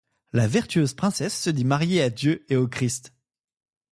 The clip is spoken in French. La vertueuse princesse se dit mariée à Dieu et au Christ.